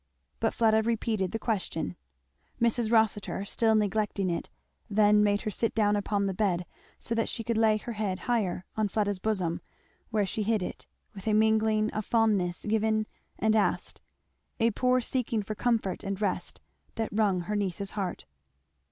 But Fleda repeated the question. Mrs. Rossitur still neglecting it, then made her sit down upon the bed, so that she could lay her head higher, on Fleda's bosom; where she hid it, with a mingling of fondness given and asked, a poor seeking for comfort and rest, that wrung her niece's heart.